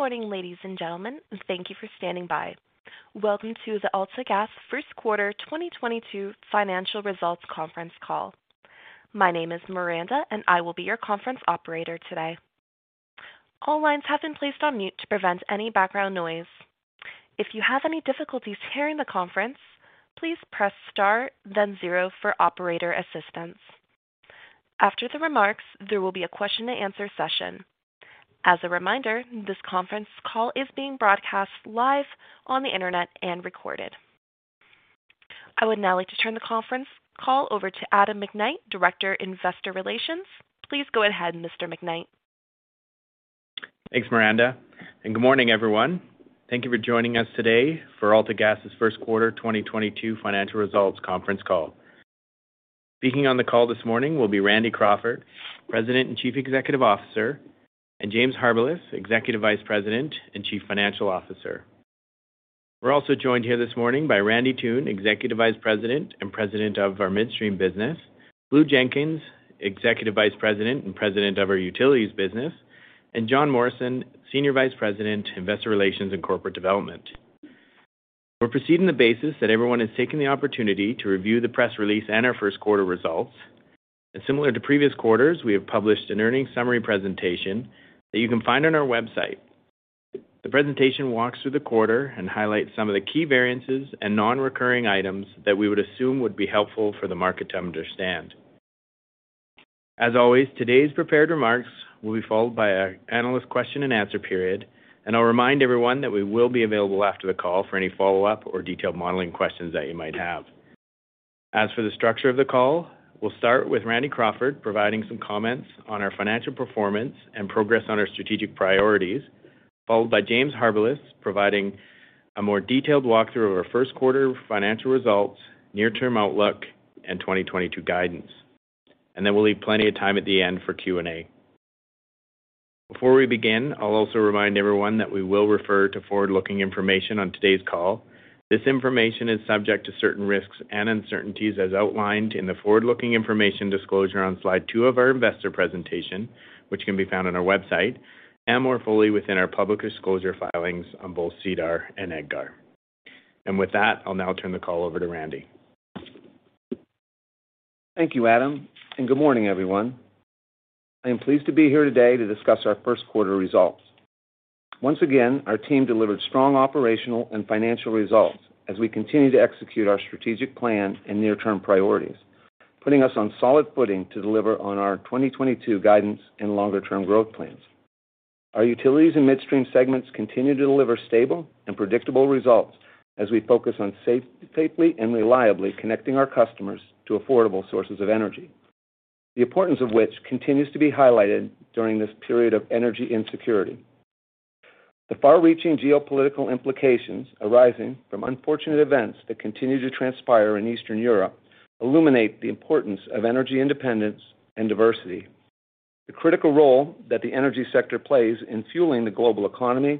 Good morning, ladies and gentlemen. Thank you for standing by. Welcome to the AltaGas Q1 2022 financial results conference call. My name is Miranda, and I will be your conference operator today. All lines have been placed on mute to prevent any background noise. If you have any difficulties hearing the conference, please press Star then zero for operator assistance. After the remarks, there will be a question-and-answer session. As a reminder, this conference call is being broadcast live on the Internet and recorded. I would now like to turn the conference call over to Adam McKnight, Director, Investor Relations. Please go ahead, Mr. McKnight. Thanks, Miranda, and good morning, everyone. Thank you for joining us today for AltaGas' Q1 2022 financial results conference call. Speaking on the call this morning will be Randall Crawford, President and Chief Executive Officer, and James Harbilas, Executive Vice President and Chief Financial Officer. We're also joined here this morning by Randy Toone, Executive Vice President and President of our Midstream business, Blue Jenkins, Executive Vice President and President of our Utilities business, and Jon Morrison, Senior Vice President, Investor Relations and Corporate Development. We're proceeding on the basis that everyone has taken the opportunity to review the press release and our Q1 results. Similar to previous quarters, we have published an earnings summary presentation that you can find on our website. The presentation walks through the quarter and highlights some of the key variances and non-recurring items that we would assume would be helpful for the market to understand. As always, today's prepared remarks will be followed by an analyst question-and-answer period, and I'll remind everyone that we will be available after the call for any follow-up or detailed modeling questions that you might have. As for the structure of the call, we'll start with Randall Crawford providing some comments on our financial performance and progress on our strategic priorities, followed by James Harbilas providing a more detailed walkthrough of our Q1 financial results, near-term outlook, and 2022 guidance. We'll leave plenty of time at the end for Q&A. Before we begin, I'll also remind everyone that we will refer to forward-looking information on today's call. This information is subject to certain risks and uncertainties as outlined in the forward-looking information disclosure on slide two of our investor presentation, which can be found on our website and more fully within our public disclosure filings on both SEDAR and EDGAR. With that, I'll now turn the call over to Randy. Thank you, Adam, and good morning, everyone. I am pleased to be here today to discuss our Q1 results. Once again, our team delivered strong operational and financial results as we continue to execute our strategic plan and near-term priorities, putting us on solid footing to deliver on our 2022 guidance and longer-term growth plans. Our utilities and midstream segments continue to deliver stable and predictable results as we focus on safely and reliably connecting our customers to affordable sources of energy, the importance of which continues to be highlighted during this period of energy insecurity. The far-reaching geopolitical implications arising from unfortunate events that continue to transpire in Eastern Europe illuminate the importance of energy independence and diversity. The critical role that the energy sector plays in fueling the global economy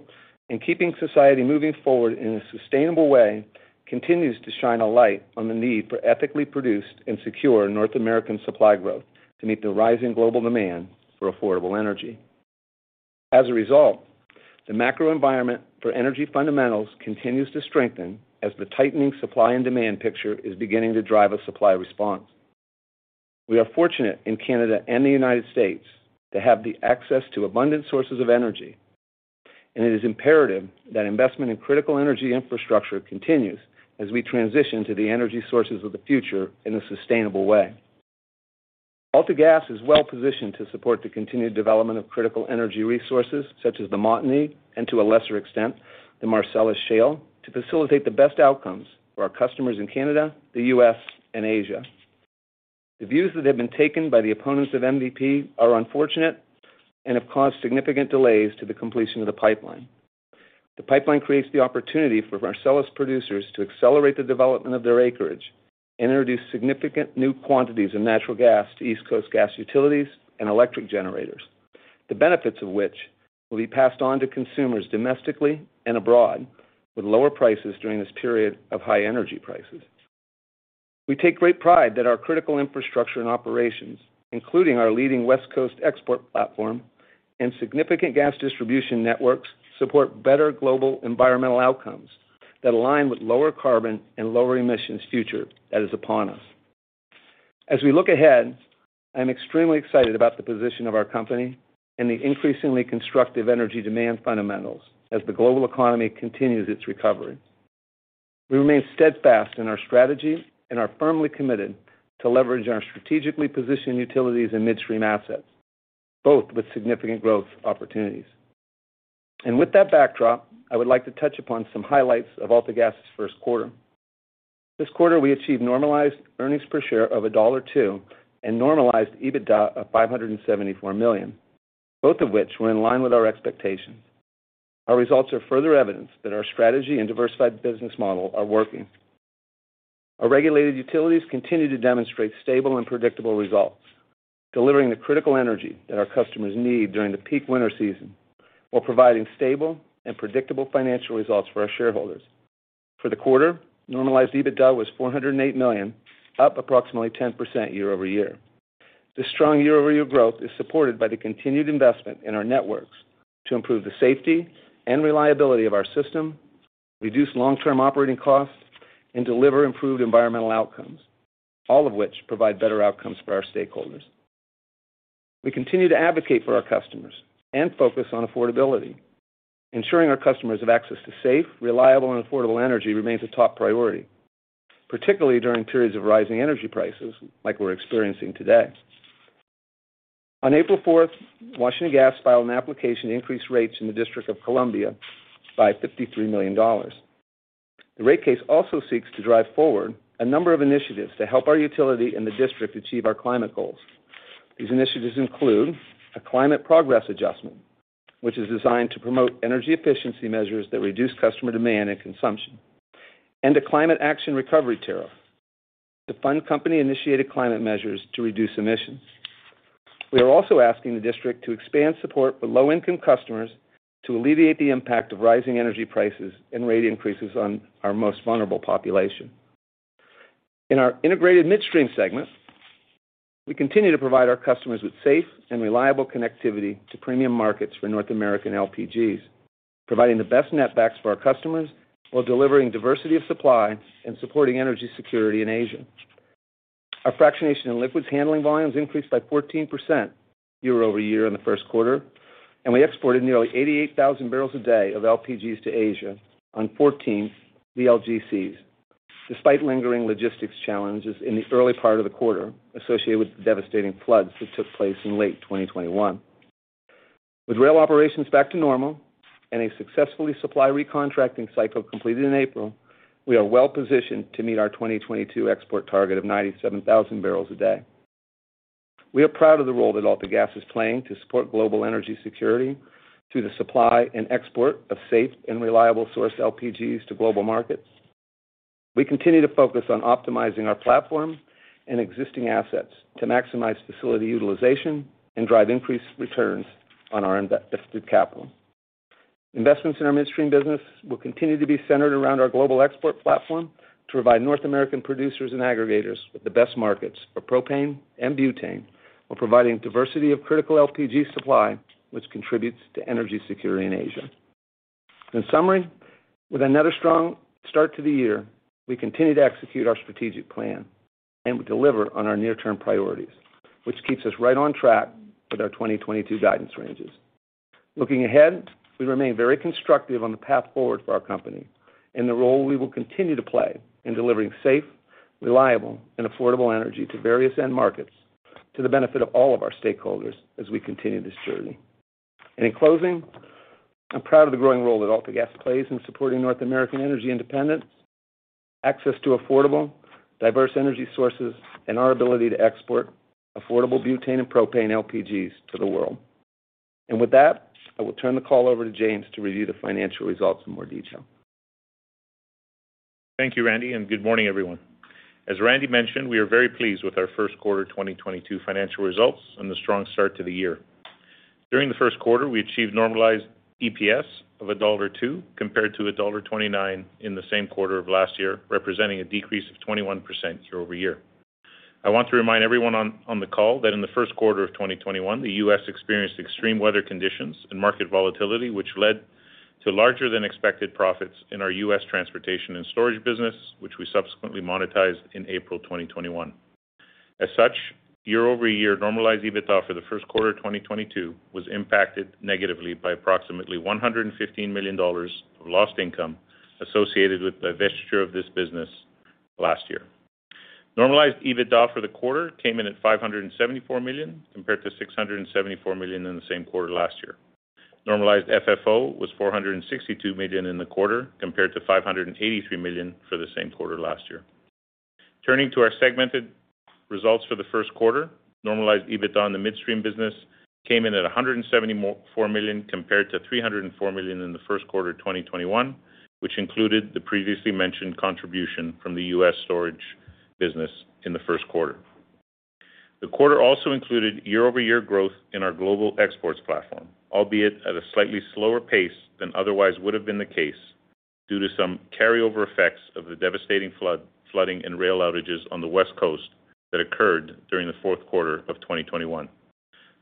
and keeping society moving forward in a sustainable way continues to shine a light on the need for ethically produced and secure North American supply growth to meet the rising global demand for affordable energy. As a result, the macro environment for energy fundamentals continues to strengthen as the tightening supply and demand picture is beginning to drive a supply response. We are fortunate in Canada and the United States to have the access to abundant sources of energy, and it is imperative that investment in critical energy infrastructure continues as we transition to the energy sources of the future in a sustainable way. AltaGas is well-positioned to support the continued development of critical energy resources such as the Montney and to a lesser extent, the Marcellus Shale, to facilitate the best outcomes for our customers in Canada, the U.S., and Asia. The views that have been taken by the opponents of MVP are unfortunate and have caused significant delays to the completion of the pipeline. The pipeline creates the opportunity for Marcellus producers to accelerate the development of their acreage and introduce significant new quantities of natural gas to East Coast gas utilities and electric generators, the benefits of which will be passed on to consumers domestically and abroad, with lower prices during this period of high energy prices. We take great pride that our critical infrastructure and operations, including our leading West Coast export platform and significant gas distribution networks, support better global environmental outcomes that align with lower carbon and lower emissions future that is upon us. As we look ahead, I am extremely excited about the position of our company and the increasingly constructive energy demand fundamentals as the global economy continues its recovery. We remain steadfast in our strategy and are firmly committed to leverage our strategically positioned utilities and midstream assets, both with significant growth opportunities. With that backdrop, I would like to touch upon some highlights of AltaGas' Q1. This quarter, we achieved normalized earnings per share of dollar 1.02 and normalized EBITDA of 574 million, both of which were in line with our expectations. Our results are further evidence that our strategy and diversified business model are working. Our regulated utilities continue to demonstrate stable and predictable results, delivering the critical energy that our customers need during the peak winter season, while providing stable and predictable financial results for our shareholders. For the quarter, normalized EBITDA was 408 million, up approximately 10% year-over-year. This strong year-over-year growth is supported by the continued investment in our networks to improve the safety and reliability of our system, reduce long-term operating costs, and deliver improved environmental outcomes, all of which provide better outcomes for our stakeholders. We continue to advocate for our customers and focus on affordability. Ensuring our customers have access to safe, reliable, and affordable energy remains a top priority, particularly during periods of rising energy prices like we're experiencing today. On April 4th, Washington Gas filed an application to increase rates in the District of Columbia by $53 million. The rate case also seeks to drive forward a number of initiatives to help our utility in the district achieve our climate goals. These initiatives include a climate progress adjustment, which is designed to promote energy efficiency measures that reduce customer demand and consumption, and a climate action recovery tariff to fund company-initiated climate measures to reduce emissions. We are also asking the district to expand support for low-income customers to alleviate the impact of rising energy prices and rate increases on our most vulnerable population. In our integrated midstream segment, we continue to provide our customers with safe and reliable connectivity to premium markets for North American LPGs, providing the best netbacks for our customers while delivering diversity of supply and supporting energy security in Asia. Our fractionation and liquids handling volumes increased by 14% year-over-year in the Q1, and we exported nearly 88,000 barrels a day of LPGs to Asia on 14 VLGCs despite lingering logistics challenges in the early part of the quarter associated with the devastating floods that took place in late 2021. With rail operations back to normal and a successfully supply recontracting cycle completed in April, we are well-positioned to meet our 2022 export target of 97,000 barrels a day. We are proud of the role that AltaGas is playing to support global energy security through the supply and export of safe and reliable source LPGs to global markets. We continue to focus on optimizing our platform and existing assets to maximize facility utilization and drive increased returns on our invested capital. Investments in our midstream business will continue to be centered around our global export platform to provide North American producers and aggregators with the best markets for propane and butane while providing diversity of critical LPG supply, which contributes to energy security in Asia. In summary, with another strong start to the year, we continue to execute our strategic plan and deliver on our near-term priorities, which keeps us right on track with our 2022 guidance ranges. Looking ahead, we remain very constructive on the path forward for our company and the role we will continue to play in delivering safe, reliable, and affordable energy to various end markets to the benefit of all of our stakeholders as we continue this journey. In closing, I'm proud of the growing role that AltaGas plays in supporting North American energy independence, access to affordable, diverse energy sources, and our ability to export affordable butane and propane LPGs to the world. With that, I will turn the call over to James to review the financial results in more detail. Thank you, Randy, and good morning, everyone. As Randy mentioned, we are very pleased with our Q1 2022 financial results and the strong start to the year. During the Q1, we achieved normalized EPS of dollar 1.02 compared to dollar 1.29 in the same quarter of last year, representing a decrease of 21% year-over-year. I want to remind everyone on the call that in the Q1 of 2021, the U.S. experienced extreme weather conditions and market volatility, which led to larger than expected profits in our U.S. transportation and storage business, which we subsequently monetized in April 2021. As such, year-over-year normalized EBITDA for the Q1 of 2022 was impacted negatively by approximately 115 million dollars of lost income associated with the divestiture of this business last year. Normalized EBITDA for the quarter came in at 574 million, compared to 674 million in the same quarter last year. Normalized FFO was 462 million in the quarter, compared to 583 million for the same quarter last year. Turning to our segmented results for the Q1, normalized EBITDA in the midstream business came in at 174 million, compared to 304 million in the Q1 of 2021, which included the previously mentioned contribution from the US storage business in the Q1 The quarter also included year-over-year growth in our global exports platform, albeit at a slightly slower pace than otherwise would have been the case due to some carryover effects of the devastating flood, flooding and rail outages on the West Coast that occurred during the Q4 of 2021.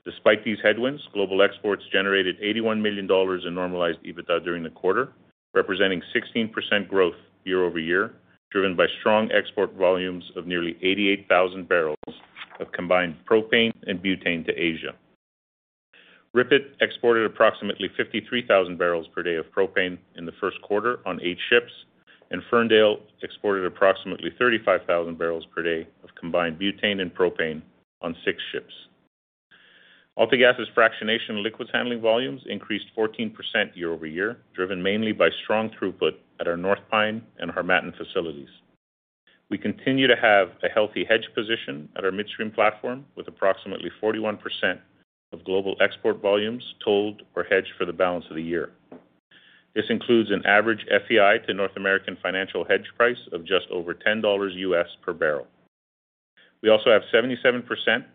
Despite these headwinds, global exports generated 81 million dollars in normalized EBITDA during the quarter, representing 16% growth year-over-year, driven by strong export volumes of nearly 88,000 barrels of combined propane and butane to Asia. RIPET exported approximately 53,000 barrels per day of propane in the Q1 on eight ships, and Ferndale exported approximately 35,000 barrels per day of combined butane and propane on six ships. AltaGas' fractionation and liquids handling volumes increased 14% year-over-year, driven mainly by strong throughput at our North Pine and Harmattan facilities. We continue to have a healthy hedge position at our midstream platform with approximately 41% of global export volumes tolled or hedged for the balance of the year. This includes an average FEI to North American financial hedge price of just over $10 per barrel. We also have 77%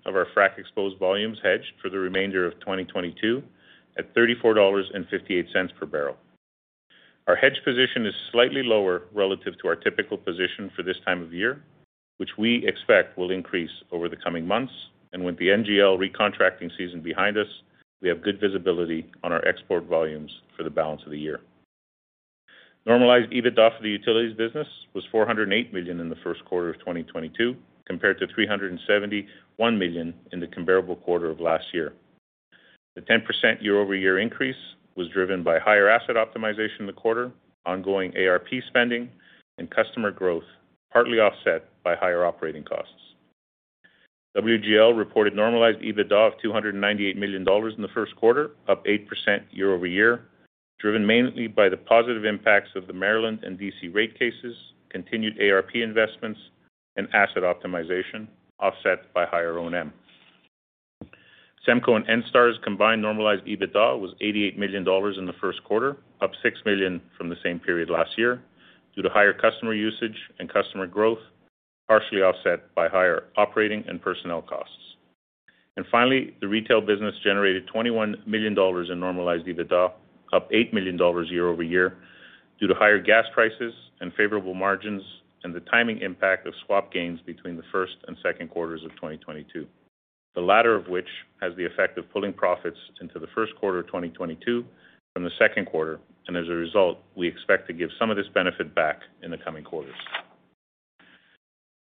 of our frack exposed volumes hedged for the remainder of 2022 at $34.58 per barrel. Our hedge position is slightly lower relative to our typical position for this time of year, which we expect will increase over the coming months. With the NGL recontracting season behind us, we have good visibility on our export volumes for the balance of the year. Normalized EBITDA for the utilities business was $408 million in the Q1 of 2022, compared to $371 million in the comparable quarter of last year. The 10% year-over-year increase was driven by higher asset optimization in the quarter, ongoing ARP spending and customer growth, partly offset by higher operating costs. WGL reported normalized EBITDA of $298 million in the Q1, up 8% year-over-year, driven mainly by the positive impacts of the Maryland and D.C. rate cases, continued ARP investments and asset optimization offset by higher O&M. SEMCO and ENSTAR's combined normalized EBITDA was $88 million in the Q1, up $6 million from the same period last year due to higher customer usage and customer growth, partially offset by higher operating and personnel costs. Finally, the retail business generated 21 million dollars in normalized EBITDA, up 8 million dollars year-over-year due to higher gas prices and favorable margins, and the timing impact of swap gains between the first and Q2 of 2022. The latter of which has the effect of pulling profits into the Q1 of 2022 from the Q2. As a result, we expect to give some of this benefit back in the coming quarters.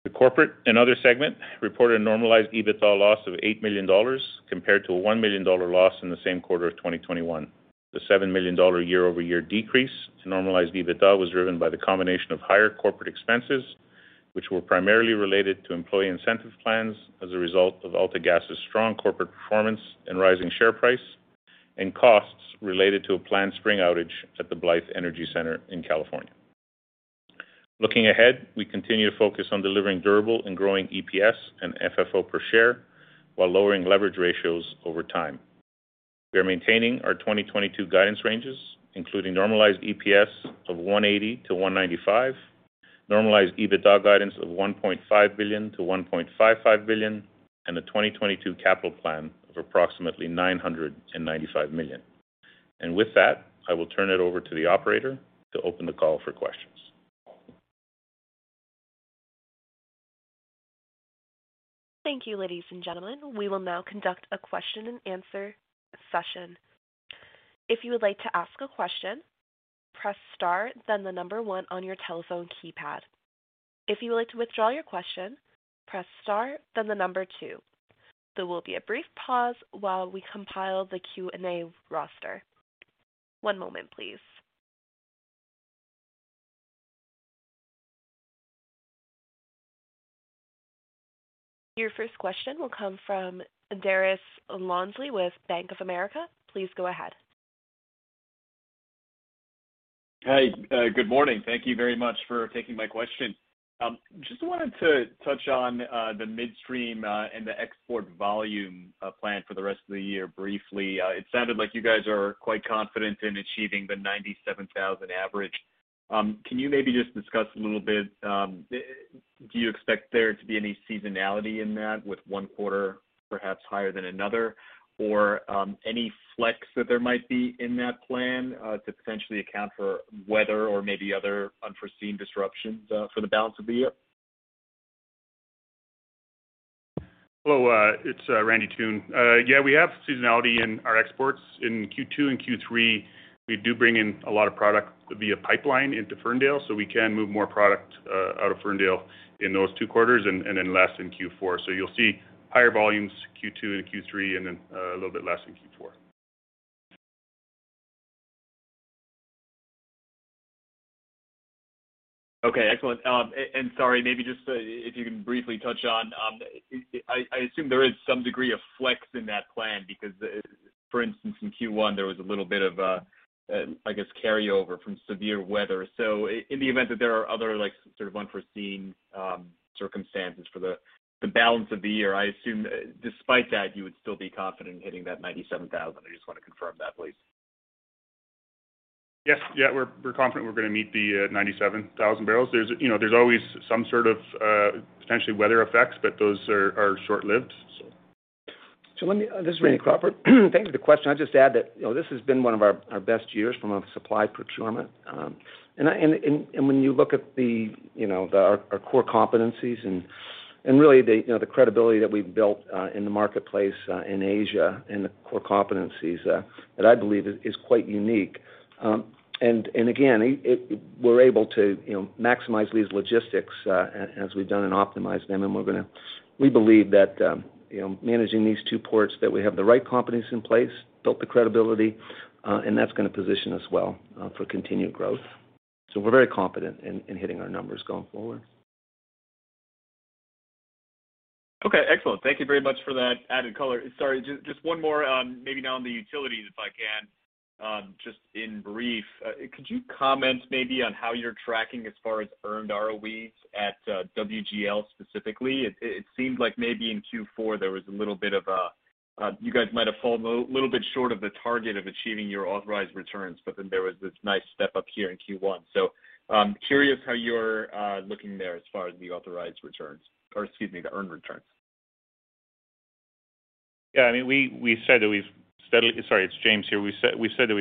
The corporate and other segment reported a normalized EBITDA loss of 8 million dollars compared to a 1 million dollar loss in the same quarter of 2021. The 7 million dollar year-over-year decrease to normalized EBITDA was driven by the combination of higher corporate expenses, which were primarily related to employee incentive plans as a result of AltaGas's strong corporate performance and rising share price and costs related to a planned spring outage at the Blythe Energy Center in California. Looking ahead, we continue to focus on delivering durable and growing EPS and FFO per share while lowering leverage ratios over time. We are maintaining our 2022 guidance ranges, including normalized EPS of 1.80-1.95, normalized EBITDA guidance of 1.5 billion-1.55 billion, and the 2022 capital plan of approximately 995 million. With that, I will turn it over to the operator to open the call for questions. Thank you, ladies and gentlemen. We will now conduct a question-and-answer session. If you would like to ask a question, press star then the number one on your telephone keypad. If you would like to withdraw your question, press star then the number two. There will be a brief pause while we compile the Q&A roster. One moment please. Your first question will come from Dariusz Lozny with Bank of America. Please go ahead. Hey, good morning. Thank you very much for taking my question. Just wanted to touch on the midstream and the export volume plan for the rest of the year briefly. It sounded like you guys are quite confident in achieving the 97,000 average. Can you maybe just discuss a little bit, do you expect there to be any seasonality in that with one quarter perhaps higher than another? Or, any flex that there might be in that plan to potentially account for weather or maybe other unforeseen disruptions for the balance of the year? Hello, it's Randy Toone. Yeah, we have seasonality in our exports. In Q2 and Q3, we do bring in a lot of product via pipeline into Ferndale, so we can move more product out of Ferndale in those two quarters and then less in Q4. So you'll see higher volumes Q2 and Q3, and then a little bit less in Q4. Okay, excellent. Sorry, maybe just if you can briefly touch on, I assume there is some degree of flex in that plan because, for instance, in Q1, there was a little bit of, I guess, carryover from severe weather. In the event that there are other like, sort of unforeseen, circumstances for the balance of the year, I assume despite that, you would still be confident in hitting that 97,000. I just wanna confirm that, please. Yes. Yeah. We're confident we're gonna meet the 97,000 barrels. You know, there's always some sort of potential weather effects, but those are short-lived, so. This is Randall Crawford. Thank you for the question. I'll just add that, you know, this has been one of our best years from a supply procurement. When you look at you know, our core competencies and really the credibility that we've built in the marketplace in Asia and the core competencies that I believe is quite unique. Again, we're able to, you know, maximize these logistics as we've done and optimize them. We believe that, you know, managing these two ports, that we have the right competencies in place, built the credibility and that's gonna position us well for continued growth. We're very confident in hitting our numbers going forward. Okay, excellent. Thank you very much for that added color. Sorry, just one more, maybe now on the utilities, if I can, just in brief. Could you comment maybe on how you're tracking as far as earned ROEs at WGL specifically? It seems like maybe in Q4, there was a little bit of a, you guys might have fallen a little bit short of the target of achieving your authorized returns, but then there was this nice step up here in Q1. Curious how you're looking there as far as the authorized returns or, excuse me, the earned returns. Yeah. I mean, we said that we've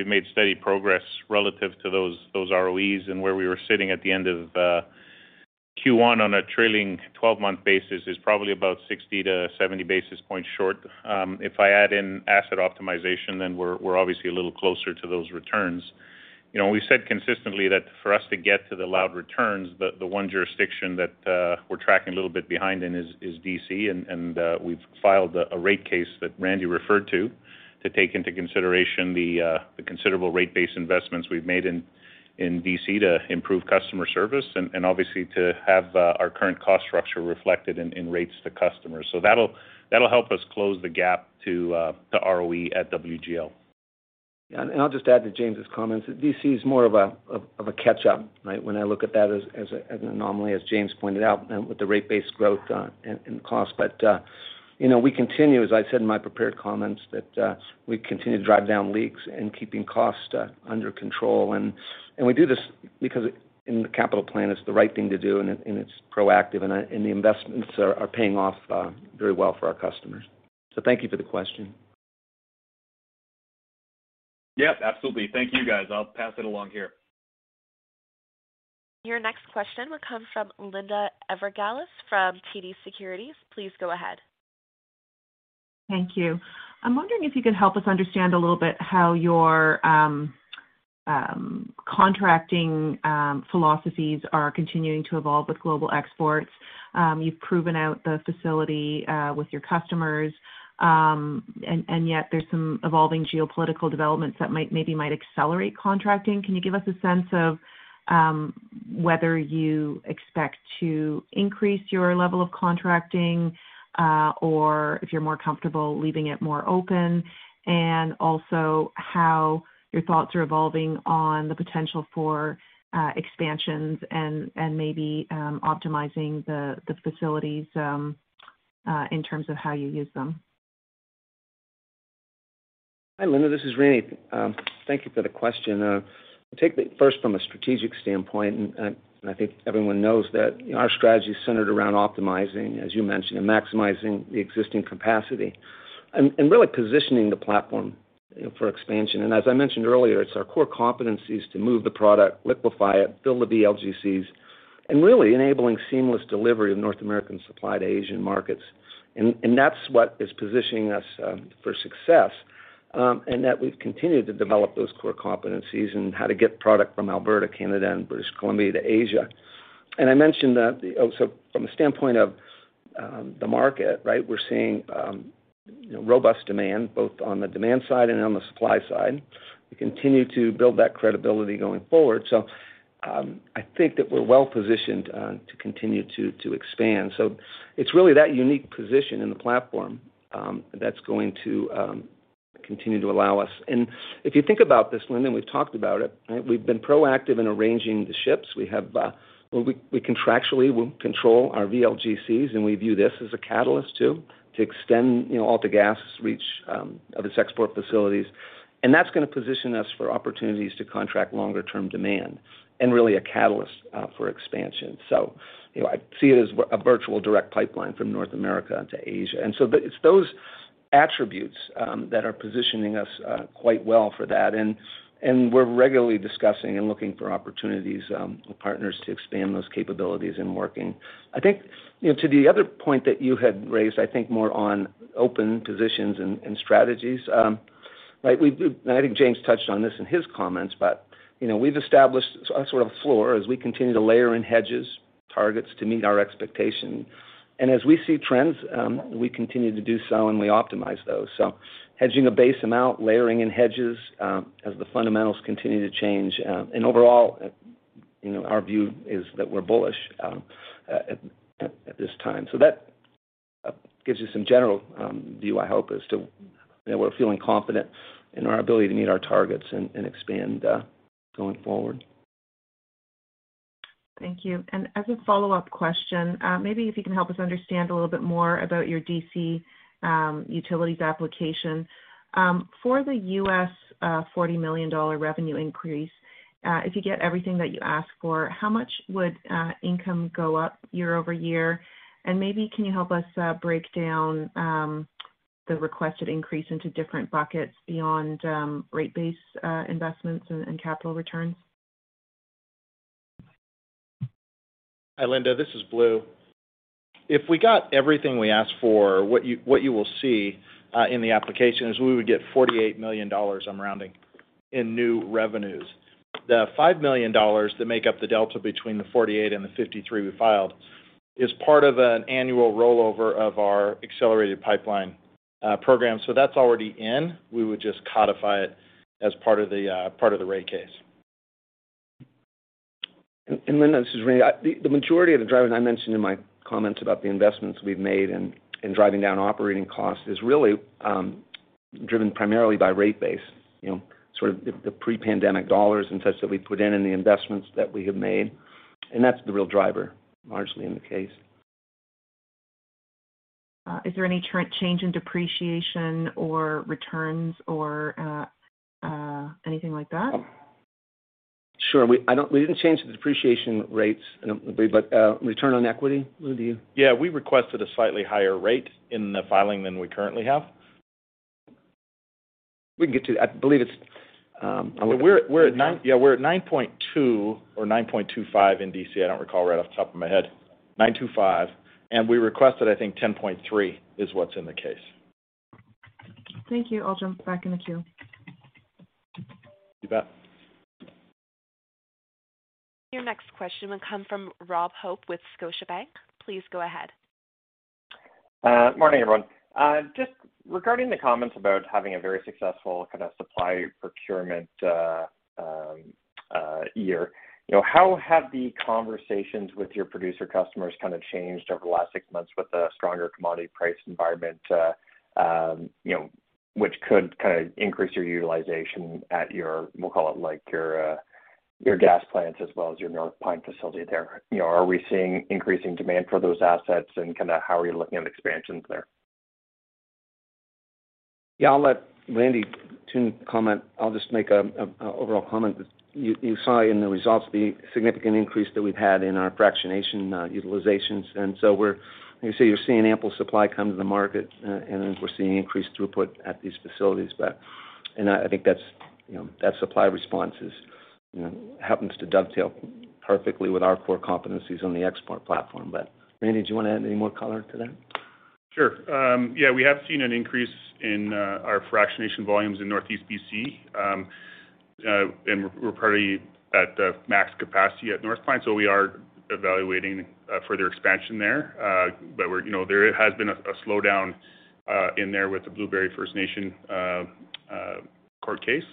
made steady progress relative to those ROEs and where we were sitting at the end of Q1 on a trailing twelve-month basis is probably about 60-70 basis points short. Sorry, it's James here. If I add in asset optimization, then we're obviously a little closer to those returns. You know, we said consistently that for us to get to the allowed returns, the one jurisdiction that we're tracking a little bit behind in is D.C. We've filed a rate case that Randy referred to to take into consideration the considerable rate base investments we've made in D.C. to improve customer service and obviously to have our current cost structure reflected in rates to customers. That'll help us close the gap to ROE at WGL. Yeah. I'll just add to James' comments. D.C. is more of a catch up, right? When I look at that as an anomaly, as James pointed out, and with the rate-based growth and cost. You know, we continue, as I said in my prepared comments, we continue to drive down leaks and keeping costs under control. We do this because in the capital plan, it's the right thing to do and it's proactive, and the investments are paying off very well for our customers. Thank you for the question. Yep, absolutely. Thank you, guys. I'll pass it along here. Your next question will come from Linda Ezergailis from TD Securities. Please go ahead. Thank you. I'm wondering if you can help us understand a little bit how your contracting philosophies are continuing to evolve with global exports. You've proven out the facility with your customers, and yet there's some evolving geopolitical developments that might accelerate contracting. Can you give us a sense of whether you expect to increase your level of contracting or if you're more comfortable leaving it more open? Also how your thoughts are evolving on the potential for expansions and maybe optimizing the facilities in terms of how you use them. Hi, Linda, this is Randy. Thank you for the question. Take the first from a strategic standpoint, and I think everyone knows that our strategy is centered around optimizing, as you mentioned, maximizing the existing capacity and really positioning the platform, you know, for expansion. As I mentioned earlier, it's our core competencies to move the product, liquefy it, fill the VLGCs, and really enabling seamless delivery of North American supply to Asian markets. That's what is positioning us for success, and that we've continued to develop those core competencies and how to get product from Alberta, Canada, and British Columbia to Asia. I mentioned that. From the standpoint of the market, right? We're seeing, you know, robust demand, both on the demand side and on the supply side. We continue to build that credibility going forward. I think that we're well-positioned to continue to expand. It's really that unique position in the platform that's going to continue to allow us. If you think about this, Linda, we've talked about it, right? We've been proactive in arranging the ships. We contractually will control our VLGCs, and we view this as a catalyst too, to extend, you know, AltaGas' reach of its export facilities. That's gonna position us for opportunities to contract longer term demand and really a catalyst for expansion. You know, I see it as a virtual direct pipeline from North America to Asia. It's those attributes that are positioning us quite well for that. We're regularly discussing and looking for opportunities with partners to expand those capabilities and working. I think, you know, to the other point that you had raised, I think more on open positions and strategies, right? I think James touched on this in his comments, but, you know, we've established a sort of floor as we continue to layer in hedges targets to meet our expectation. As we see trends, we continue to do so, and we optimize those. Hedging a base amount, layering in hedges, as the fundamentals continue to change. Overall, you know, our view is that we're bullish at this time. That gives you some general view, I hope, as to, you know, we're feeling confident in our ability to meet our targets and expand going forward. Thank you. As a follow-up question, maybe if you can help us understand a little bit more about your D.C. utilities application. For the U.S., $40 million revenue increase, if you get everything that you ask for, how much would income go up year-over-year? Maybe can you help us break down the requested increase into different buckets beyond rate base investments and capital returns? Hi, Linda, this is Blue. If we got everything we asked for, what you will see in the application is we would get 48 million dollars, I'm rounding, in new revenues. The 5 million dollars that make up the delta between the 48 million and the 53 million we filed is part of an annual rollover of our accelerated pipeline program. That's already in. We would just codify it as part of the rate case. Linda, this is Randy. The majority of the drivers I mentioned in my comments about the investments we've made in driving down operating costs is really driven primarily by rate base, you know, sort of the pre-pandemic dollars and such that we put in, and the investments that we have made. That's the real driver largely in the case. Is there any change in depreciation or returns or anything like that? Sure. We didn't change the depreciation rates, but return on equity. Blue, do you- Yeah, we requested a slightly higher rate in the filing than we currently have. I believe it's. I looked at it. Yeah, we're at 9.2% or 9.25% in D.C. I don't recall right off the top of my head. 9.25%, and we requested, I think, 10.3% is what's in the case. Thank you. I'll jump back in the queue. You bet. Your next question will come from Robert Hope with Scotiabank. Please go ahead. Morning, everyone. Just regarding the comments about having a very successful kind of supply procurement year. You know, how have the conversations with your producer customers kind of changed over the last six months with the stronger commodity price environment, you know, which could kind of increase your utilization at your, we'll call it, like, your gas plants as well as your North Pine facility there? You know, are we seeing increasing demand for those assets? Kinda how are you looking at expansions there? Yeah, I'll let Randy Toone comment. I'll just make a overall comment. You saw in the results the significant increase that we've had in our fractionation utilizations. You see, you're seeing ample supply come to the market, and then we're seeing increased throughput at these facilities. I think that's, you know, that supply response is, you know, happens to dovetail perfectly with our core competencies on the export platform. Randy, do you wanna add any more color to that? Sure. Yeah, we have seen an increase in our fractionation volumes in Northeast BC. We're probably at the max capacity at North Pine, so we are evaluating further expansion there. There has been a slowdown in there with the Blueberry River First Nations court case.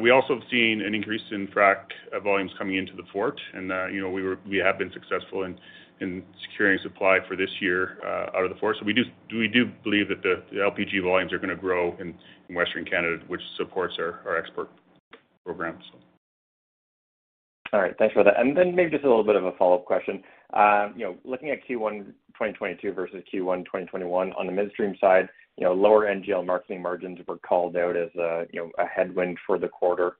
We also have seen an increase in frac volumes coming into the Fort, and you know, we have been successful in securing supply for this year out of the Fort. We do believe that the LPG volumes are gonna grow in Western Canada, which supports our export programs. All right. Thanks for that. Then maybe just a little bit of a follow-up question. You know, looking at Q1, 2022 versus Q1, 2021, on the midstream side, you know, lower NGL marketing margins were called out as a, you know, a headwind for the quarter.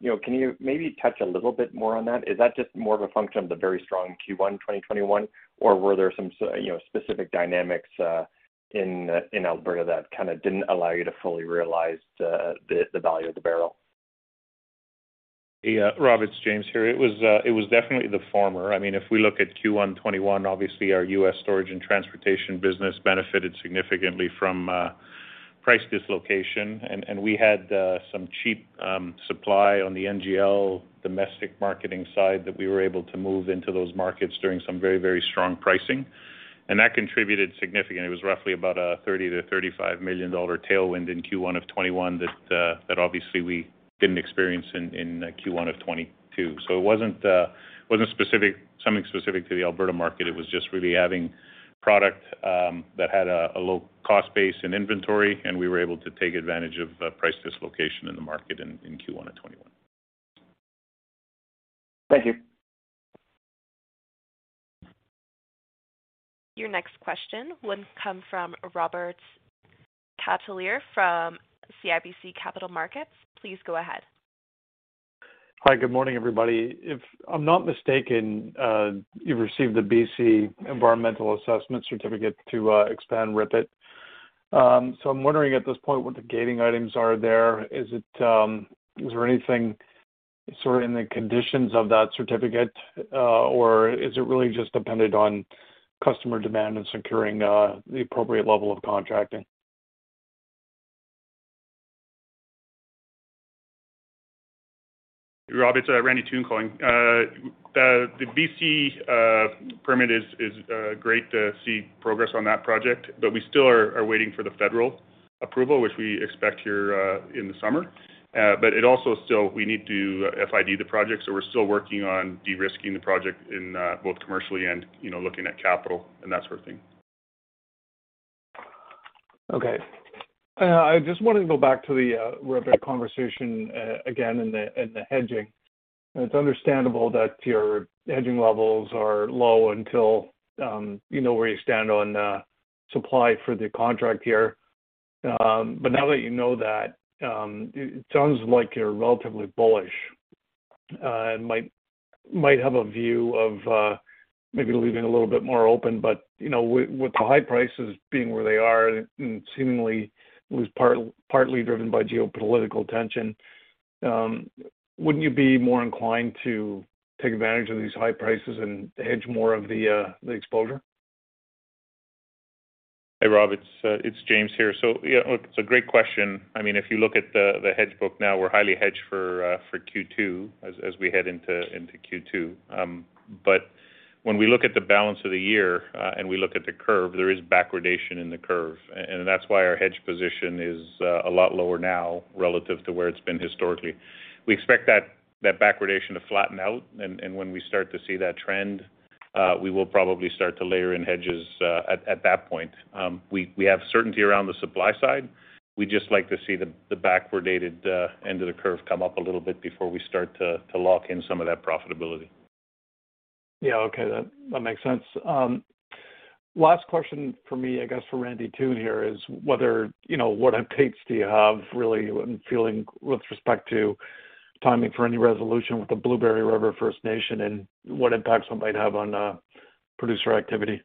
You know, can you maybe touch a little bit more on that? Is that just more of a function of the very strong Q1, 2021? Or were there some you know, specific dynamics in Alberta that kinda didn't allow you to fully realize the value of the barrel? Yeah. Rob, it's James here. It was definitely the former. I mean, if we look at Q1 2021, obviously our U.S. storage and transportation business benefited significantly from price dislocation. And we had some cheap supply on the NGL domestic marketing side that we were able to move into those markets during some very, very strong pricing. And that contributed significantly. It was roughly about a $30-$35 million tailwind in Q1 2021 that obviously we didn't experience in Q1 2022. It wasn't something specific to the Alberta market. It was just really having product that had a low cost base in inventory, and we were able to take advantage of price dislocation in the market in Q1 2021. Thank you. Your next question will come from Robert Catellier from CIBC Capital Markets. Please go ahead. Hi. Good morning, everybody. If I'm not mistaken, you received a B.C. environmental assessment certificate to expand REEF. I'm wondering at this point, what the gating items are there. Is it, is there anything sort of in the conditions of that certificate, or is it really just dependent on customer demand and securing the appropriate level of contracting? Robert Hope, it's Randy Toone calling. The BC permit is great to see progress on that project, but we still are waiting for the federal approval, which we expect here in the summer. It also still we need to FID the project, so we're still working on de-risking the project in both commercially and you know, looking at capital and that sort of thing. Okay. I just wanted to go back to the Robert conversation again in the hedging. It's understandable that your hedging levels are low until you know where you stand on supply for the contract here. Now that you know that, it sounds like you're relatively bullish and might have a view of maybe leaving a little bit more open, but you know with the high prices being where they are and seemingly it was partly driven by geopolitical tension. Wouldn't you be more inclined to take advantage of these high prices and hedge more of the exposure? Hey, Rob, it's James here. Yeah, it's a great question. I mean, if you look at the hedge book now, we're highly hedged for Q2 as we head into Q2. When we look at the balance of the year and we look at the curve, there is backwardation in the curve. That's why our hedge position is a lot lower now relative to where it's been historically. We expect that backwardation to flatten out and when we start to see that trend. We will probably start to layer in hedges at that point. We have certainty around the supply side. We just like to see the backwardated end of the curve come up a little bit before we start to lock in some of that profitability. Yeah. Okay. That makes sense. Last question from me, I guess for Randy too here is whether, you know, what updates do you have really when dealing with respect to timing for any resolution with the Blueberry River First Nation, and what impacts it might have on producer activity?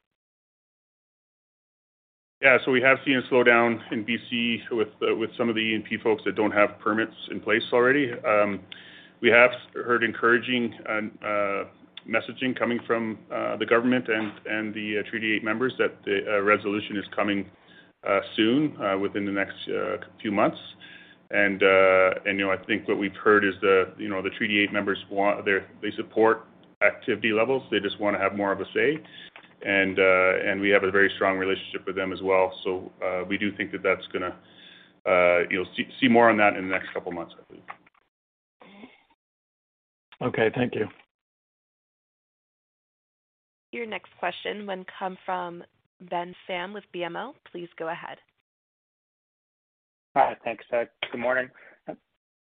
Yeah. We have seen a slowdown in BC with some of the E&P folks that don't have permits in place already. We have heard encouraging messaging coming from the government and the Treaty 8 members that the resolution is coming soon, within the next few months. You know, I think what we've heard is the Treaty 8 members want. They support activity levels. They just wanna have more of a say. We have a very strong relationship with them as well. We do think that that's gonna, you'll see more on that in the next couple of months, I think. Okay. Thank you. Your next question will come from Ben Pham with BMO. Please go ahead. Hi. Thanks. Good morning.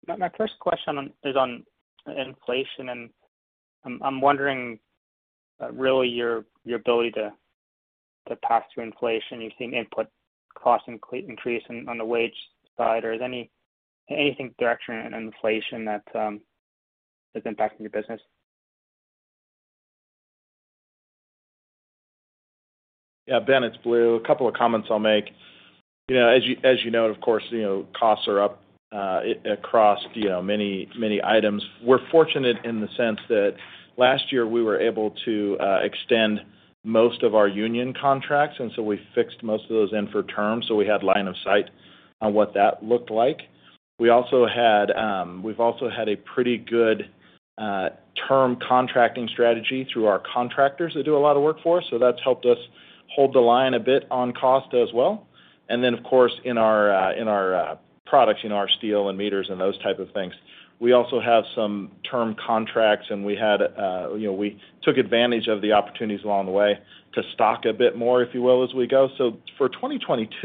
My first question is on inflation, and I'm wondering really your ability to pass through inflation. You've seen input costs increase on the wage side. Is anything directional in inflation that is impacting your business? Yeah. Ben, it's Blu. A couple of comments I'll make. You know, as you know, and of course, you know, costs are up across, you know, many, many items. We're fortunate in the sense that last year we were able to extend most of our union contracts, and so we fixed most of those in for terms, so we had line of sight on what that looked like. We've also had a pretty good term contracting strategy through our contractors that do a lot of work for us, so that's helped us hold the line a bit on cost as well. Of course, in our products, you know, our steel and meters and those type of things, we also have some term contracts, and we had, you know, we took advantage of the opportunities along the way to stock a bit more, if you will, as we go. For 2022,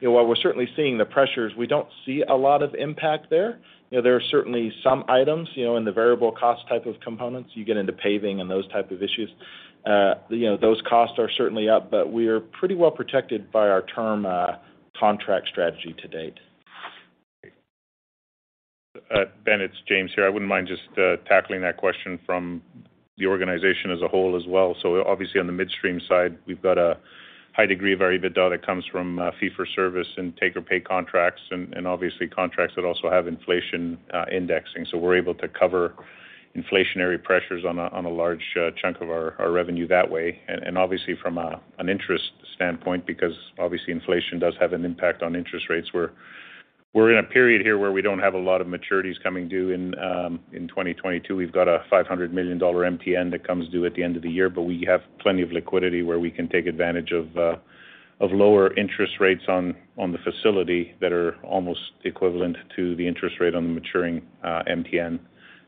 you know, while we're certainly seeing the pressures, we don't see a lot of impact there. You know, there are certainly some items, you know, in the variable cost type of components. You get into paving and those type of issues. You know, those costs are certainly up, but we are pretty well protected by our term contract strategy to date. Great. Ben, it's James here. I wouldn't mind just tackling that question from the organization as a whole as well. Obviously, on the midstream side, we've got a high degree of EBITDA that comes from fee for service and take or pay contracts and obviously contracts that also have inflation indexing. We're able to cover inflationary pressures on a large chunk of our revenue that way. Obviously from an interest standpoint because obviously inflation does have an impact on interest rates. We're in a period here where we don't have a lot of maturities coming due in 2022. We've got a 500 million dollar MTN that comes due at the end of the year, but we have plenty of liquidity where we can take advantage of lower interest rates on the facility that are almost equivalent to the interest rate on the maturing MTN.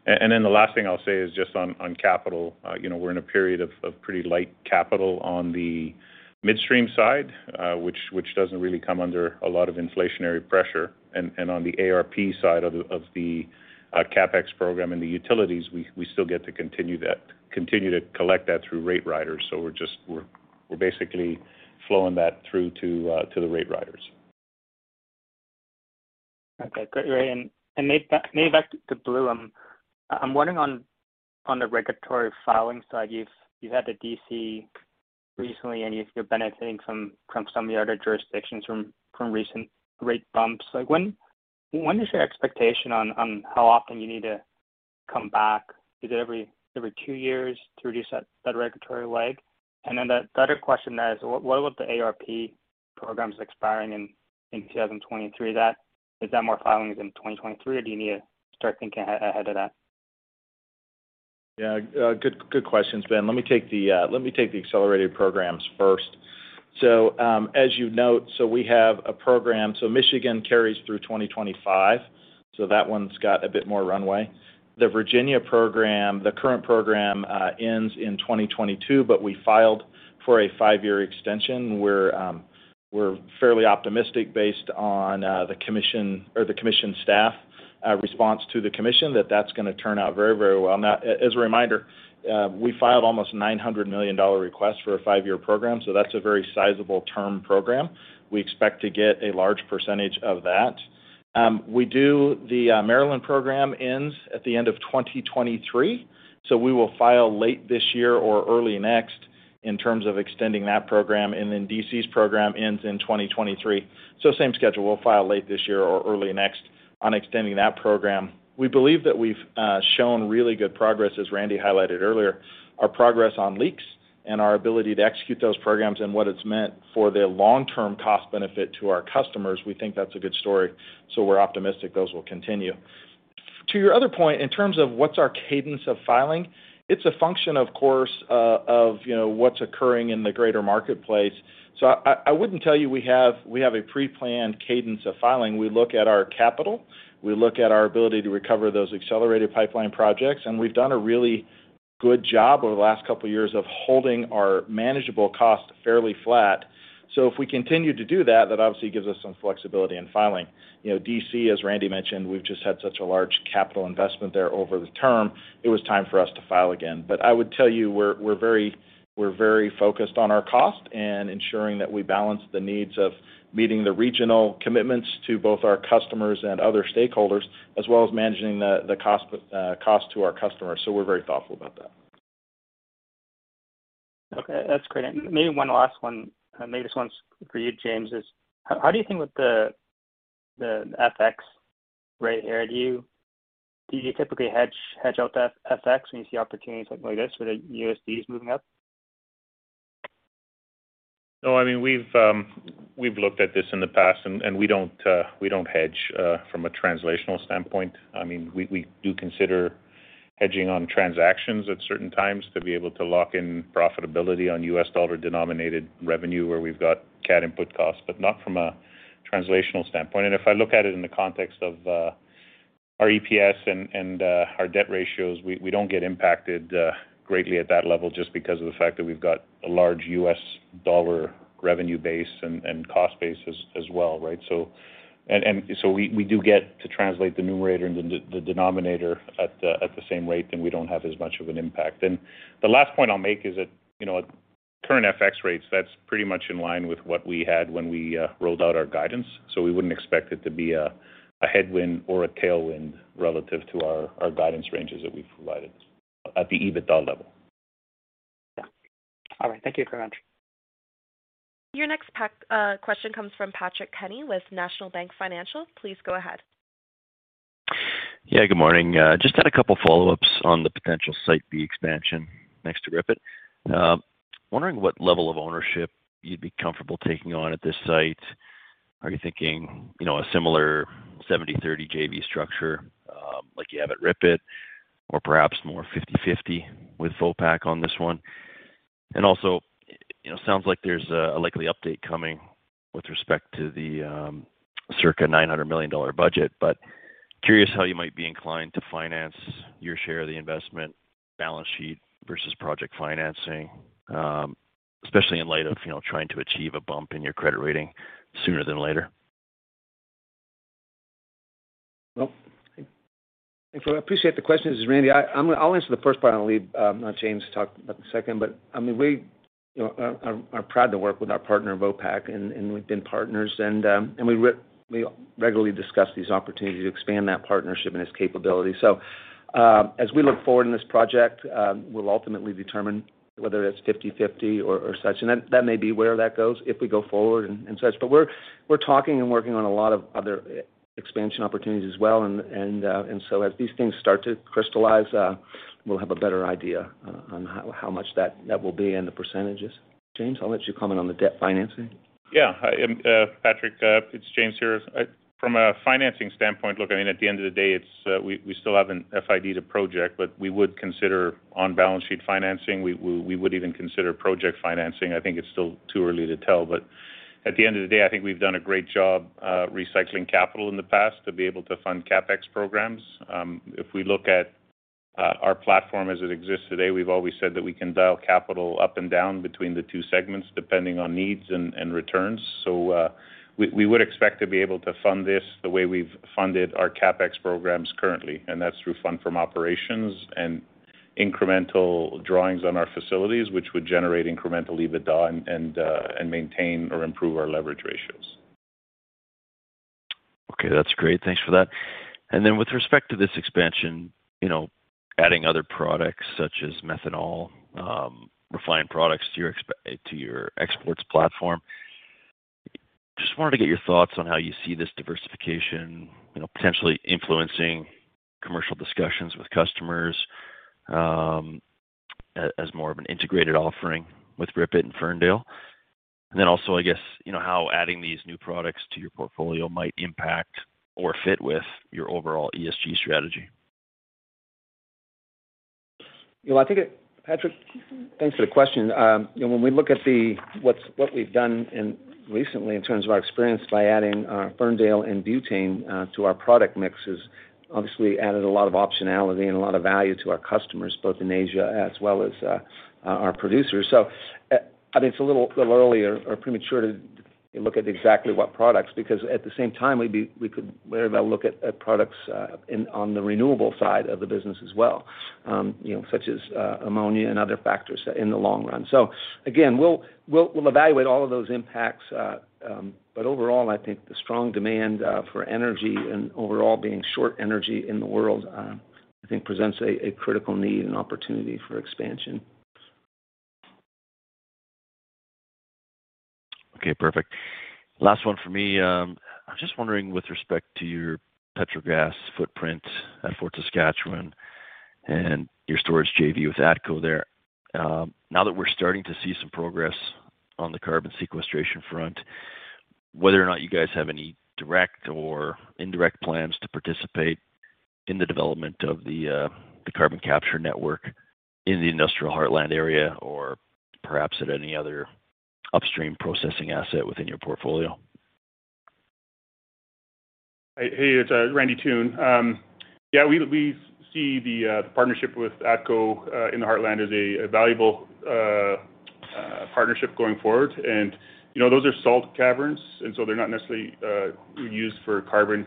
And then the last thing I'll say is just on capital. You know, we're in a period of pretty light capital on the midstream side, which doesn't really come under a lot of inflationary pressure. On the ARP side of the CapEx program and the utilities, we still get to continue to collect that through rate riders. We're just basically flowing that through to the rate riders. Okay. Great. Maybe back to Blu. I'm wondering on the regulatory filing side, you had the D.C. recently and if you're benefiting from some of the other jurisdictions from recent rate bumps. Like, what is your expectation on how often you need to come back? Is it every two years to reduce that regulatory lag? Then the other question is what about the ARP programs expiring in 2023? That is that more filings in 2023 or do you need to start thinking ahead of that? Good questions, Ben. Let me take the accelerated programs first. As you note, we have a program. Michigan carries through 2025, so that one's got a bit more runway. The Virginia program, the current program, ends in 2022, but we filed for a 5-year extension. We're fairly optimistic based on the commission or the commission staff response to the commission that that's gonna turn out very, very well. Now, as a reminder, we filed almost 900 million dollar request for a 5-year program, so that's a very sizable term program. We expect to get a large percentage of that. The Maryland program ends at the end of 2023, so we will file late this year or early next in terms of extending that program. D.C.'s program ends in 2023, so same schedule. We'll file late this year or early next on extending that program. We believe that we've shown really good progress, as Randy highlighted earlier. Our progress on leaks and our ability to execute those programs and what it's meant for the long-term cost benefit to our customers, we think that's a good story, so we're optimistic those will continue. To your other point, in terms of what's our cadence of filing, it's a function, of course, of, you know, what's occurring in the greater marketplace. So I wouldn't tell you we have a pre-planned cadence of filing. We look at our capital. We look at our ability to recover those accelerated pipeline projects. We've done a really Good job over the last couple of years of holding our manageable cost fairly flat. If we continue to do that obviously gives us some flexibility in filing. You know, D.C., as Randy mentioned, we've just had such a large capital investment there over the term, it was time for us to file again. But I would tell you, we're very focused on our cost and ensuring that we balance the needs of meeting the regional commitments to both our customers and other stakeholders, as well as managing the cost to our customers. We're very thoughtful about that. Okay. That's great. Maybe one last one, maybe this one's for you, James, is how do you think with the FX rate here? Do you typically hedge out that FX when you see opportunities like this, where the US dollar is moving up? No, I mean, we've looked at this in the past, and we don't hedge from a translational standpoint. I mean, we do consider hedging on transactions at certain times to be able to lock in profitability on U.S. dollar denominated revenue where we've got CAD input costs, but not from a translational standpoint. If I look at it in the context of our EPS and our debt ratios, we don't get impacted greatly at that level just because of the fact that we've got a large U.S. dollar revenue base and cost base as well, right? We do get to translate the numerator and the denominator at the same rate, then we don't have as much of an impact. The last point I'll make is that, you know, at current FX rates, that's pretty much in line with what we had when we rolled out our guidance, so we wouldn't expect it to be a headwind or a tailwind relative to our guidance ranges that we've provided at the EBITDA level. Yeah. All right. Thank you very much. Your next question comes from Patrick Kenny with National Bank Financial. Please go ahead. Yeah, good morning. Just had a couple of follow-ups on the potential site B expansion next to REEF. Wondering what level of ownership you'd be comfortable taking on at this site. Are you thinking, you know, a similar 70/30 JV structure, like you have at REEF, or perhaps more 50/50 with Vopak on this one? Also, you know, sounds like there's a likely update coming with respect to the circa 900 million dollar budget, but curious how you might be inclined to finance your share of the investment balance sheet versus project financing, especially in light of, you know, trying to achieve a bump in your credit rating sooner than later. Well, I appreciate the question. This is Randy. I'll answer the first part, and I'll leave James to talk about the second. I mean, we, you know, are proud to work with our partner, Vopak, and we've been partners and we regularly discuss these opportunities to expand that partnership and its capability. As we look forward in this project, we'll ultimately determine whether it's 50/50 or such. That may be where that goes if we go forward and such. We're talking and working on a lot of other expansion opportunities as well. As these things start to crystallize, we'll have a better idea on how much that will be and the percentages. James, I'll let you comment on the debt financing. Yeah. Hi, Patrick, it's James here. From a financing standpoint, look, I mean, at the end of the day, it's we still haven't FID-ed the project, but we would consider on-balance sheet financing. We would even consider project financing. I think it's still too early to tell. At the end of the day, I think we've done a great job, recycling capital in the past to be able to fund CapEx programs. If we look at our platform as it exists today, we've always said that we can dial capital up and down between the two segments depending on needs and returns. We would expect to be able to fund this the way we've funded our CapEx programs currently, and that's through funds from operations and incremental drawings on our facilities, which would generate incremental EBITDA and maintain or improve our leverage ratios. Okay, that's great. Thanks for that. Then with respect to this expansion, you know, adding other products such as methanol, refined products to your exports platform, just wanted to get your thoughts on how you see this diversification, you know, potentially influencing commercial discussions with customers, as more of an integrated offering with REEF and Ferndale. Then also, I guess, you know, how adding these new products to your portfolio might impact or fit with your overall ESG strategy. Well, I think Patrick, thanks for the question. You know, when we look at what's what we've done recently in terms of our experience by adding Ferndale and butane to our product mix has obviously added a lot of optionality and a lot of value to our customers, both in Asia as well as our producers. I mean, it's a little early or premature to look at exactly what products, because at the same time, we could very well look at products on the renewable side of the business as well, you know, such as ammonia and other factors in the long run. Again, we'll evaluate all of those impacts. Overall, I think the strong demand for energy and overall being short energy in the world, I think presents a critical need and opportunity for expansion. Okay, perfect. Last one for me. I'm just wondering with respect to your Petrogas footprint at Fort Saskatchewan and your storage JV with ATCO there, now that we're starting to see some progress on the carbon sequestration front, whether or not you guys have any direct or indirect plans to participate in the development of the carbon capture network in the industrial heartland area or perhaps at any other upstream processing asset within your portfolio? Hey, it's Randy Toone. Yeah, we see the partnership with ATCO in the Heartland as a valuable partnership going forward. You know, those are salt caverns, and so they're not necessarily used for carbon,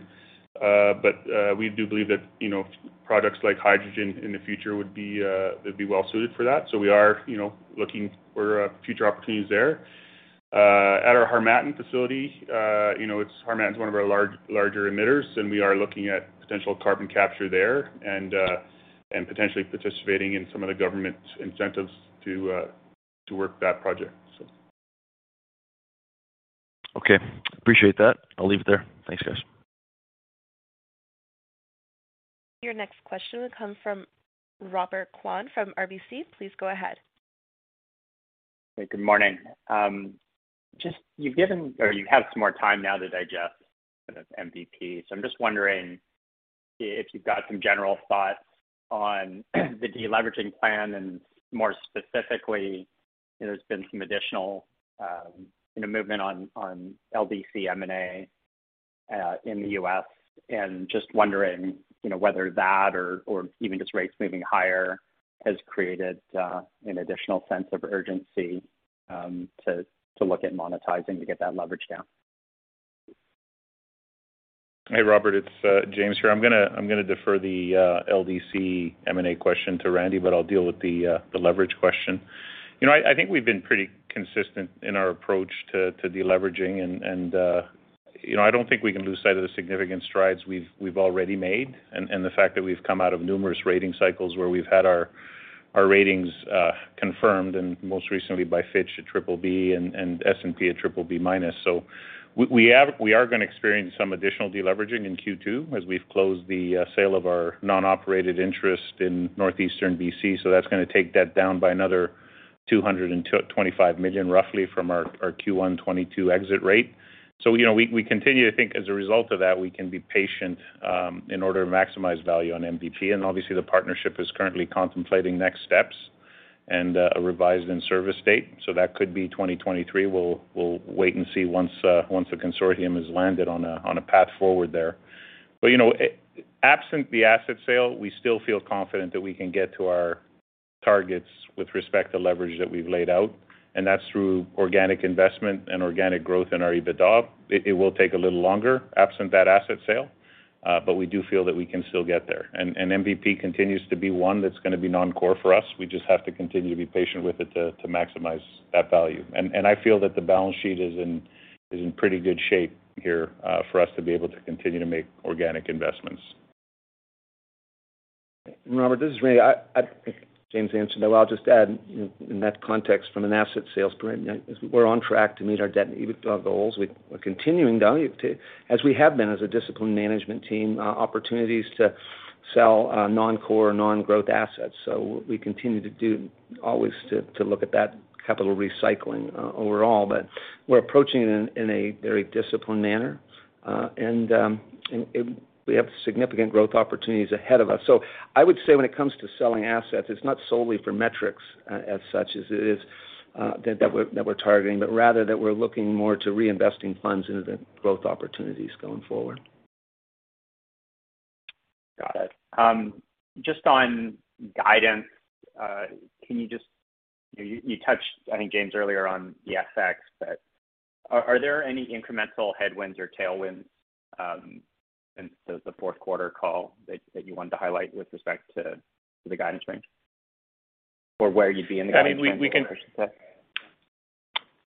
but we do believe that, you know, products like hydrogen in the future would be well suited for that. We are, you know, looking for future opportunities there. At our Harmattan facility, you know, it's Harmattan's one of our larger emitters, and we are looking at potential carbon capture there and potentially participating in some of the government's incentives to work that project. Okay. Appreciate that. I'll leave it there. Thanks, guys. Your next question will come from Robert Kwan from RBC. Please go ahead. Hey, good morning. Just you have some more time now to digest the MVP. So I'm just wondering if you've got some general thoughts on the deleveraging plan and more specifically, there's been some additional, you know, movement on LDC M&A in the U.S. Just wondering, you know, whether that or even just rates moving higher has created an additional sense of urgency to look at monetizing to get that leverage down. Hey, Robert. It's James here. I'm gonna defer the LDC M&A question to Randy, but I'll deal with the leverage question. You know, I think we've been pretty consistent in our approach to deleveraging and, you know, I don't think we can lose sight of the significant strides we've already made and the fact that we've come out of numerous rating cycles where we've had our ratings confirmed, and most recently by Fitch, a BBB and S&P, a BBB-. So we are gonna experience some additional deleveraging in Q2 as we've closed the sale of our non-operated interest in northeastern BC. So that's gonna take that down by another 225 million, roughly from our Q1 2022 exit rate. You know, we continue to think as a result of that, we can be patient in order to maximize value on MVP. Obviously, the partnership is currently contemplating next steps and a revised in-service date. That could be 2023. We'll wait and see once the consortium has landed on a path forward there. You know, absent the asset sale, we still feel confident that we can get to our targets with respect to leverage that we've laid out, and that's through organic investment and organic growth in our EBITDA. It will take a little longer absent that asset sale, but we do feel that we can still get there. MVP continues to be one that's gonna be non-core for us. We just have to continue to be patient with it to maximize that value. I feel that the balance sheet is in pretty good shape here for us to be able to continue to make organic investments. Robert, this is Randy. James answered that. I'll just add, you know, in that context from an asset sales point, you know, we're on track to meet our debt-to EBITDA goals. We are continuing though to, as we have been as a disciplined management team, opportunities to sell non-core or non-growth assets. We continue to always look at that capital recycling overall, but we're approaching it in a very disciplined manner. We have significant growth opportunities ahead of us. I would say when it comes to selling assets, it's not solely for metrics as such as it is that we're targeting, but rather that we're looking more to reinvesting funds into the growth opportunities going forward. Got it. Just on guidance, you touched, I think, James, earlier on the FX, but are there any incremental headwinds or tailwinds since the Q4 call that you wanted to highlight with respect to the guidance range or where you'd be in the guidance range or should say?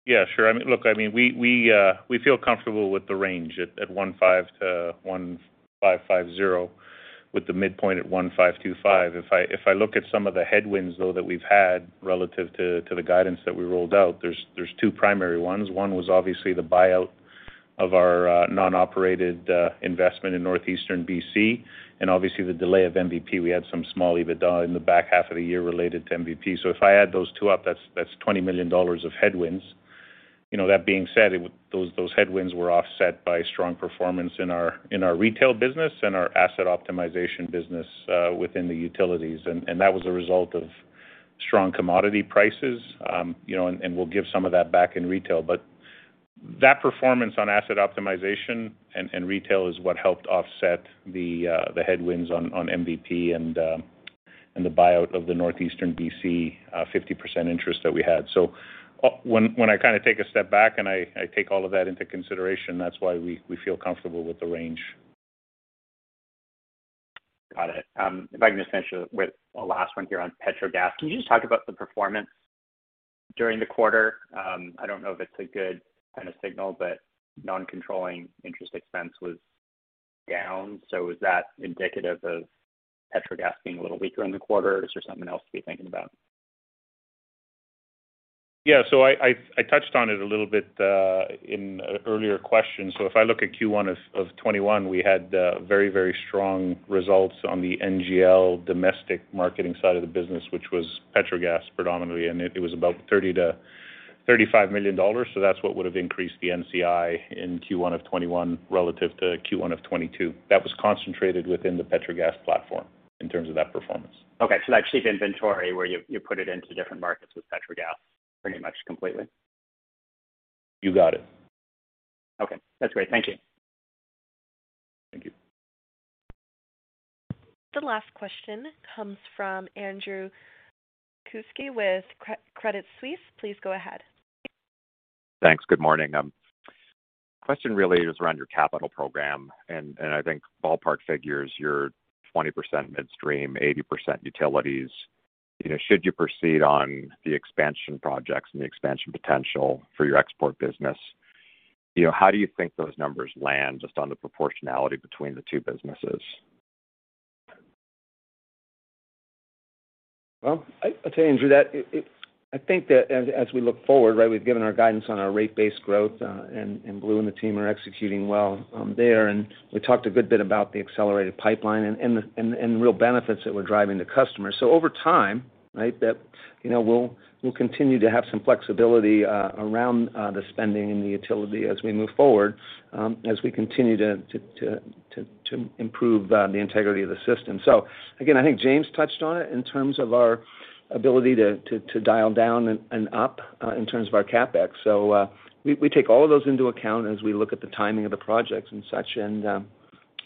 Yeah, sure. I mean, look, I mean, we feel comfortable with the range at 1,500-1,550 with the midpoint at 1,525. If I look at some of the headwinds, though, that we've had relative to the guidance that we rolled out, there's two primary ones. One was obviously the buyout of our non-operated investment in northeastern BC and obviously the delay of MVP. We had some small EBITDA in the back half of the year related to MVP. If I add those two up, that's 20 million dollars of headwinds. You know, that being said, those headwinds were offset by strong performance in our retail business and our asset optimization business within the utilities. That was a result of strong commodity prices. You know, we'll give some of that back in retail. That performance on asset optimization and retail is what helped offset the headwinds on MVP and the buyout of the northeastern BC 50% interest that we had. When I kinda take a step back and I take all of that into consideration, that's why we feel comfortable with the range. Got it. If I can just finish with a last one here on Petrogas. Can you just talk about the performance during the quarter? I don't know if it's a good kinda signal, but non-controlling interest expense was down. Is that indicative of Petrogas being a little weaker in the quarter? Is there something else to be thinking about? Yeah. I touched on it a little bit in earlier questions. If I look at Q1 of 2021, we had very strong results on the NGL domestic marketing side of the business, which was Petrogas predominantly, and it was about 30 million-35 million dollars. That's what would have increased the NCI in Q1 of 2021 relative to Q1 of 2022. That was concentrated within the Petrogas platform in terms of that performance. Okay. That cheap inventory where you put it into different markets with Petrogas pretty much completely. You got it. Okay, that's great. Thank you. Thank you. The last question comes from Andrew Kuske with Credit Suisse. Please go ahead. Thanks. Good morning. Question really is around your capital program, and I think ballpark figures, you're 20% midstream, 80% utilities. You know, should you proceed on the expansion projects and the expansion potential for your export business, you know, how do you think those numbers land just on the proportionality between the two businesses? Well, I'll tell you, Andrew, that it. I think that as we look forward, right, we've given our guidance on our rate-based growth, and Blue and the team are executing well, there. We talked a good bit about the accelerated pipeline and the real benefits that we're driving to the customer. Over time, right, that, you know, we'll continue to have some flexibility around the spending and the utility as we move forward, as we continue to improve the integrity of the system. I think James touched on it in terms of our ability to dial down and up in terms of our CapEx. We take all of those into account as we look at the timing of the projects and such.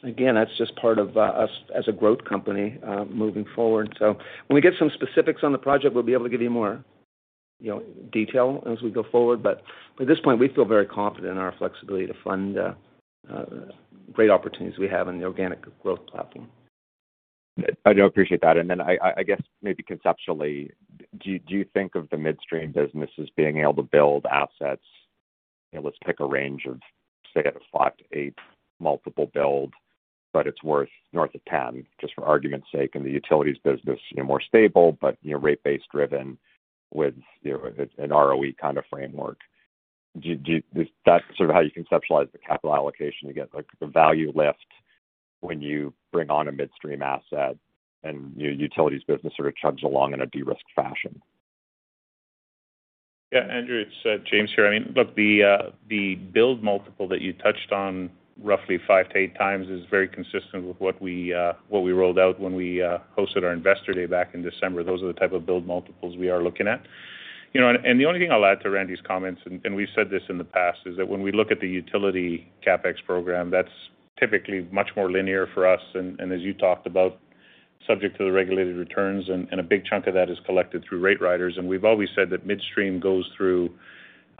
again, that's just part of us as a growth company moving forward. When we get some specifics on the project, we'll be able to give you more, you know, detail as we go forward. At this point, we feel very confident in our flexibility to fund the great opportunities we have in the organic growth platform. I do appreciate that. I guess maybe conceptually, do you think of the midstream business as being able to build assets? You know, let's pick a range of, say at a 5-8 multiple build, but it's worth north of 10, just for argument's sake. The utilities business, you know, more stable but, you know, rate-based driven with, you know, an ROE kind of framework. Do you? Is that sort of how you conceptualize the capital allocation to get, like, the value lift when you bring on a midstream asset and, you know, utilities business sort of chugs along in a de-risked fashion? Yeah. Andrew, it's James here. I mean, look, the build multiple that you touched on roughly 5-8 times is very consistent with what we rolled out when we hosted our investor day back in December. Those are the type of build multiples we are looking at. You know, the only thing I'll add to Randy's comments, and we've said this in the past, is that when we look at the utility CapEx program, that's typically much more linear for us, and as you talked about, subject to the regulated returns, and a big chunk of that is collected through rate riders. We've always said that midstream goes through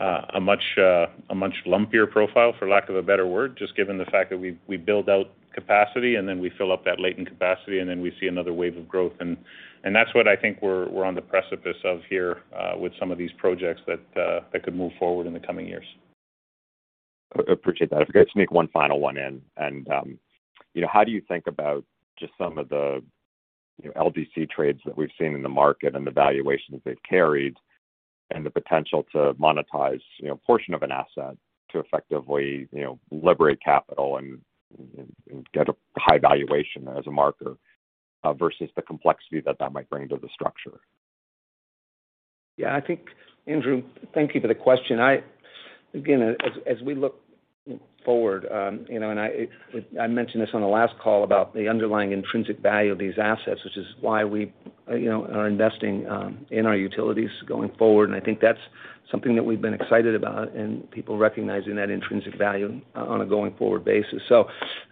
a much lumpier profile, for lack of a better word, just given the fact that we build out capacity and then we fill up that latent capacity, and then we see another wave of growth. That's what I think we're on the precipice of here, with some of these projects that could move forward in the coming years. Appreciate that. If I could sneak one final one in. You know, how do you think about just some of the, you know, LDC trades that we've seen in the market and the valuations they've carried and the potential to monetize, you know, a portion of an asset to effectively, you know, liberate capital and get a high valuation as a marker versus the complexity that that might bring to the structure? Yeah, I think, Andrew, thank you for the question. I again, as we look forward, you know, and I mentioned this on the last call about the underlying intrinsic value of these assets, which is why we, you know, are investing in our utilities going forward. I think that's something that we've been excited about and people recognizing that intrinsic value on a going forward basis.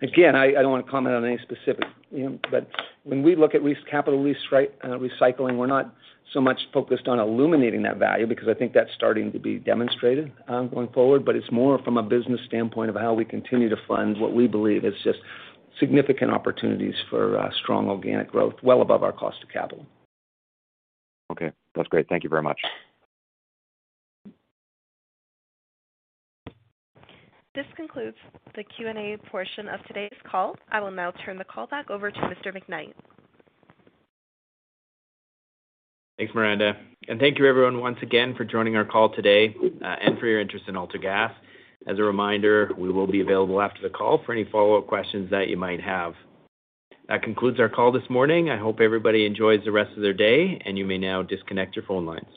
Again, I don't wanna comment on any specific, you know. When we look at capital recycling, we're not so much focused on illuminating that value because I think that's starting to be demonstrated going forward, but it's more from a business standpoint of how we continue to fund what we believe is just significant opportunities for strong organic growth, well above our cost of capital. Okay. That's great. Thank you very much. This concludes the Q&A portion of today's call. I will now turn the call back over to Mr. McKnight. Thanks, Miranda. Thank you everyone once again for joining our call today, and for your interest in AltaGas. As a reminder, we will be available after the call for any follow-up questions that you might have. That concludes our call this morning. I hope everybody enjoys the rest of their day, and you may now disconnect your phone lines.